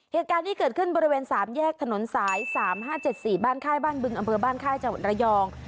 เหตุการณ์ที่เกิดขึ้นบริเวณ๓แยกถนนสาย๓๕๗๔บ้านค่ายบ้านบึงอำเภอบ้านค่ายจังหวัดระยอง